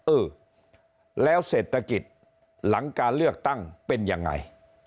เออแล้วเศรษฐกิจหลังการเลือกตั้งเป็นยังไง